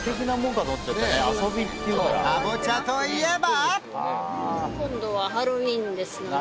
カボチャといえば！